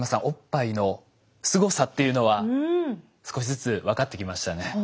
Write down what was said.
おっぱいのすごさっていうのは少しずつ分かってきましたね。